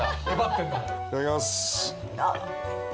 いただきます。